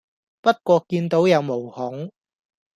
不過見到有毛孔